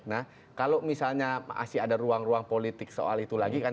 nah kalau misalnya masih ada ruang ruang politik soal itu lagi kan